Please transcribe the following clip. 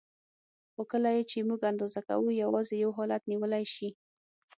خو کله یې چې موږ اندازه کوو یوازې یو حالت نیولی شي.